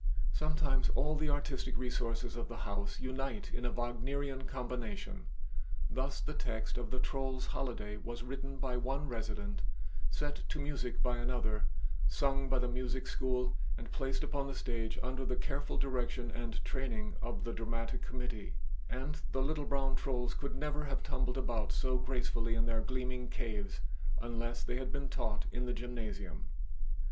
Sometimes all the artistic resources of the House unite in a Wagnerian combination; thus, the text of the "Troll's Holiday" was written by one resident, set to music by another; sung by the Music School, and placed upon the stage under the careful direction and training of the dramatic committee; and the little brown trolls could never have tumbled about so gracefully in their gleaming caves unless they had been taught in the gymnasium.